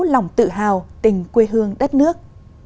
lòng tự hào tình quê hương đất nước